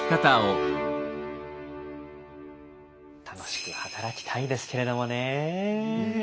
楽しく働きたいですけれどもね。